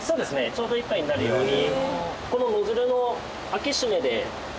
ちょうど一杯になるように。